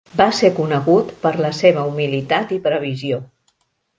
Va ser conegut per la seva humilitat i previsió.